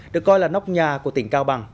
được coi là nóc nhà của tỉnh cao bằng